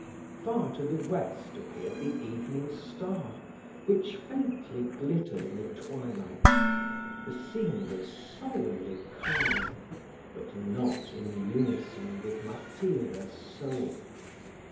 Far to the west appeared the evening star, which faintly glittered in the twilight. The scene was solemnly calm, but not in unison with Matilda's soul.